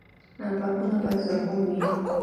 پارکونه باید زرغون وي